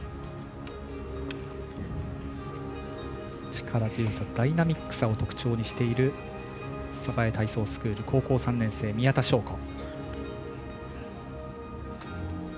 力強さ、ダイナミックさを特徴にしている鯖江体操スクール高校３年生、宮田笙子。